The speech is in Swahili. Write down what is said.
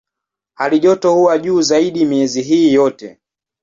Halijoto huwa juu zaidi miezi hii yote.